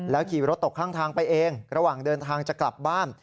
ขี่รถตกข้างทางไปเองระหว่างเดินทางจะกลับบ้าน